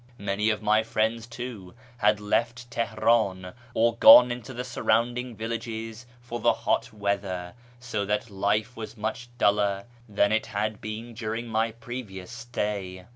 Many of my friends, too, had left Teher; in, or gone into the surroundin'4 villages for the hot weather, so that life was much duller than it had been during my previous stay.